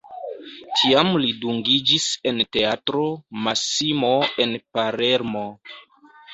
Tiam li dungiĝis en Teatro Massimo en Palermo.